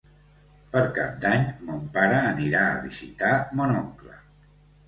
Per Cap d'Any mon pare anirà a visitar mon oncle.